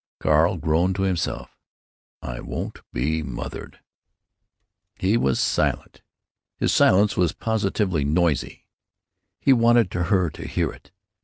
Carl groaned to himself, "I won't be mothered!" He was silent. His silence was positively noisy. He wanted her to hear it.